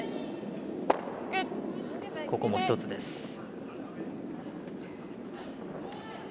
ここも１つです。